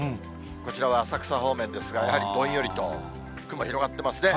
こちらは浅草方面ですが、やはりどんよりと、雲広がってますね。